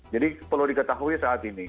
jadi perlu diketahui saat ini